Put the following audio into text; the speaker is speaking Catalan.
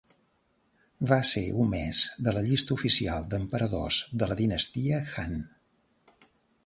Va ser omès de la llista oficial d'emperadors de la Dinastia Han.